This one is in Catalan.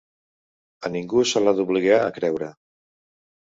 A ningú se l'ha d'obligar a creure.